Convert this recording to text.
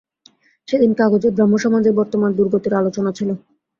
সেদিন কাগজে ব্রাহ্মসমাজের বর্তমান দুর্গতির আলোচনা ছিল।